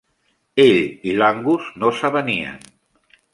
Ell i l'Angus no s'avenien.